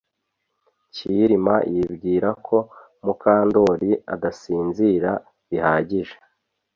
Kirima yibwira ko Mukandoli adasinzira bihagije